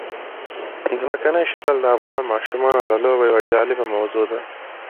ځمکنی شکل د افغان ماشومانو د لوبو یوه جالبه موضوع ده.